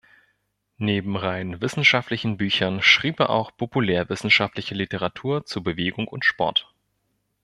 Neben rein wissenschaftlichen Büchern schrieb er auch populär-wissenschaftliche Literatur zur Bewegung und Sport.